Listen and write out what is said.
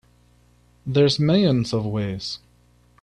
There's millions of ways.